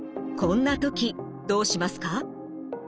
こんな時どうしますか？